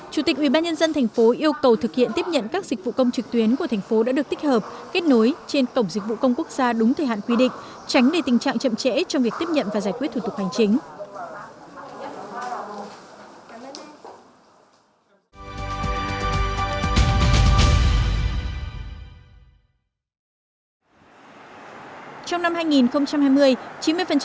chủ tịch ubnd thành phố yêu cầu thực hiện tiếp nhận các dịch vụ công trực tuyến của thành phố đã được tích hợp